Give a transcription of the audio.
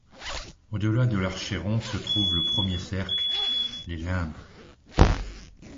Au-delà de l'Achéron se trouve le premier cercle, les limbes.